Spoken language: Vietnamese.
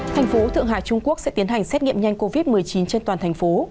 thành phố thượng hà trung quốc sẽ tiến hành xét nghiệm nhanh covid một mươi chín trên toàn thành phố